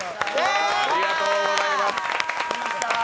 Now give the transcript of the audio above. ありがとうございます。